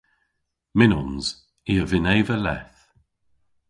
Mynnons. I a vynn eva leth.